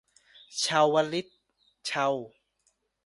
เชาวฤทธิ์เชา